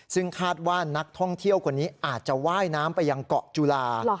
ซึ่งคาดว่านักท่องเที่ยวคนนี้อาจจะว่ายน้ำไปยังเกาะจุฬา